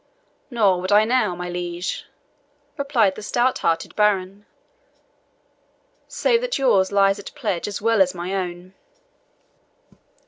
"Nor would I now, my liege," replied the stout hearted baron, "save that yours lies at pledge as well as my own."